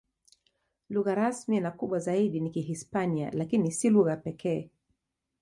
Lugha rasmi na kubwa zaidi ni Kihispania, lakini si lugha pekee.